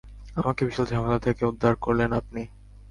আমাকে বিশাল ঝামেলা থেকে উদ্ধার করলেন আপনি।